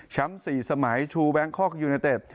แชมป์๔สมัยทูแบงคอกยูเนตเต็ป